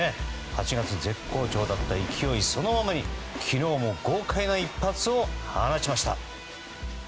８月絶好調だった勢いそのままに昨日も豪快な一発を放ちました。